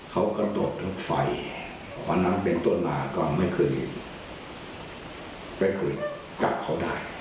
เขาก็ตรวจรถไฟวันนั้นเป็นต้นมาก็ไม่เคยจับเขาได้